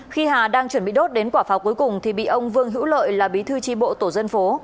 khi hà đang chuẩn bị đốt đến quả pháo cuối cùng thì bị ông vương hữu lợi là bí thư tri bộ tổ dân phố